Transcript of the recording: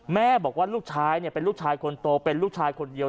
แม่บอกว่าลูกชายเป็นลูกชายคนโตเป็นลูกชายคนเดียว